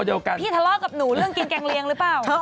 เดียวกันพี่ทะเลาะกับหนูเรื่องกินแกงเลียงหรือเปล่า